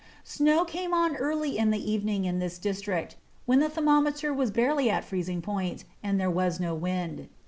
Snow came on early in the evening in this district, when the thermometer was barely at freezing point and there was no wind.